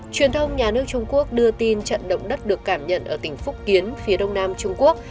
truyền thông nhà nước trung quốc đưa tin trận động đất được cảm nhận ở tỉnh phúc kiến phía đông nam trung quốc